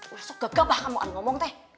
masuk ke gabah kamu ngomong teh